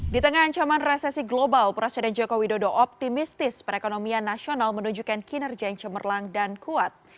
di tengah ancaman resesi global presiden joko widodo optimistis perekonomian nasional menunjukkan kinerja yang cemerlang dan kuat